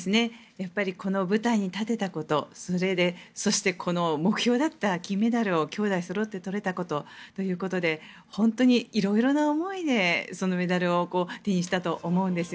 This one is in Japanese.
やっぱりこの舞台に立てたことそして、目標だった金メダルを兄妹そろって取れたことということで本当にいろいろな思いでメダルを手にしたと思うんです。